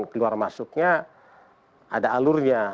keluar masuknya ada alurnya